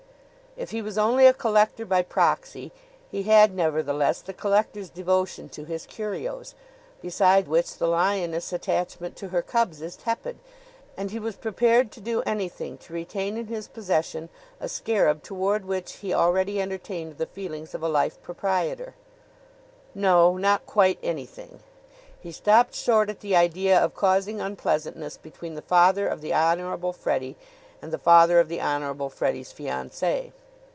If he was only a collector by proxy he had, nevertheless, the collector's devotion to his curios, beside which the lioness' attachment to her cubs is tepid; and he was prepared to do anything to retain in his possession a scarab toward which he already entertained the feelings of a life proprietor. No not quite anything! He stopped short at the idea of causing unpleasantness between the father of the Honorable Freddie and the father of the Honorable Freddie's fiancee.